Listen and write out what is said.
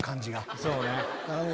そうね。